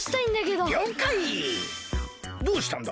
どうしたんだ？